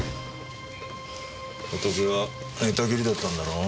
ホトケは寝たきりだったんだろ？